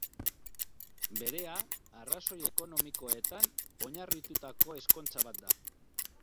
Berea, arrazoi ekonomikoetan oinarritutako ezkontza bat da.